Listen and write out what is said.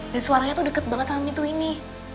dan suaranya tuh deket banget sama pintu ini